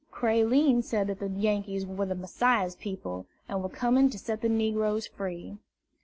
Creline said that the Yankees were the Messiah's people, and were coming to set the negroes free.